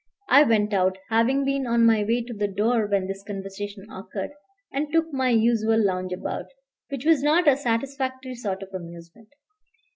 I went out, having been on my way to the door when this conversation occurred, and took my usual lounge about, which was not a satisfactory sort of amusement.